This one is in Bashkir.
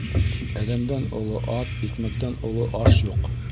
Әҙәмдән оло ат, икмәктән оло аш юҡ.